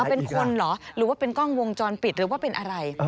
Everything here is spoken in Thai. เป็นคนเหรอหรือว่าเป็นกล้องวงจรปิดหรือว่าเป็นอะไร